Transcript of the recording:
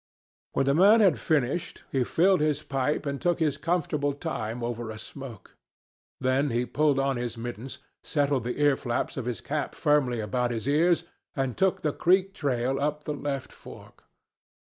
When the man had finished, he filled his pipe and took his comfortable time over a smoke. Then he pulled on his mittens, settled the ear flaps of his cap firmly about his ears, and took the creek trail up the left fork.